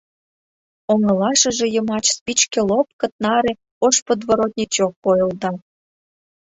Оҥылашыже йымач спичке лопкыт наре ош подворотничок койылда.